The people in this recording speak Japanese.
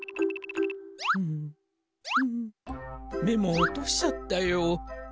メモ落としちゃったよ。